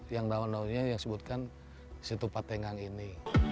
yang namanya yang disebutkan situpat tenggang ini